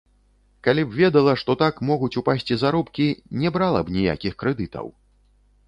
Калі б ведала, што так могуць упасці заробкі, не брала б ніякіх крэдытаў!